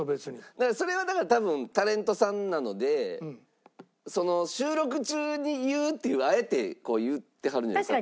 だからそれはだから多分タレントさんなので収録中に言うっていうあえて言ってはるんじゃないですか？